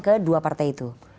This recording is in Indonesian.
kedua partai itu